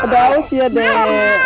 ada ais ya deh